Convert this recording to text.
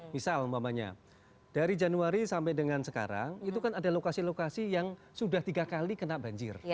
misal umpamanya dari januari sampai dengan sekarang itu kan ada lokasi lokasi yang sudah tiga kali kena banjir